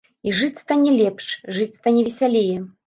І жыць стане лепш, жыць стане весялей.